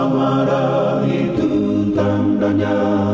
bangsa marah itu tandanya